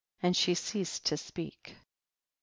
and she ceased to speak. 44.